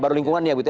baru lingkungan ya